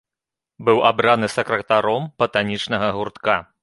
Быў абраны сакратаром батанічнага гуртка.